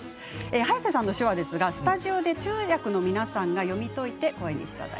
早瀬さんの手話ですがスタジオで通訳の皆さんが読み解いて声にしていただいています。